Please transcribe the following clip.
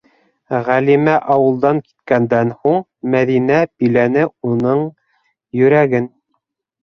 Ғәлимә ауылдан киткәндән һуң Мәҙинә биләне уның йөрәген.